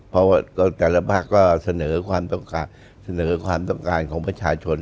เพราะว่าแต่ละภาคก็เสนอความต้องการของประชาชน